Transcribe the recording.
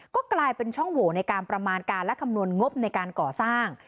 ก็กลายเป็นช่องโหวในการประมาณการและคำนวณงบในการก่อสร้าง